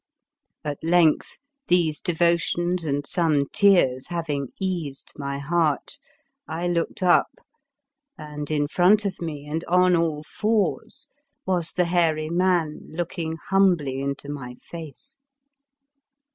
At length, these devotions and some tears having eased my heart, I looked up, and in front of me and on all fours was the hairy man looking humbly into my face.